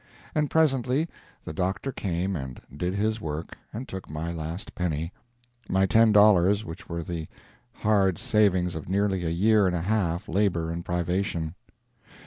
And presently the doctor came and did his work and took my last penny my ten dollars which were the hard savings of nearly a year and a half of labour and privation.